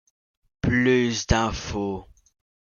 Plus d'infos?